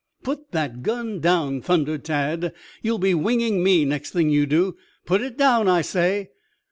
"Put that gun down!" thundered Tad. "You'll be winging me next thing you do. Put it down, I say!"